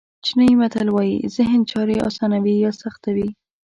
چینایي متل وایي ذهن چارې آسانوي یا سختوي.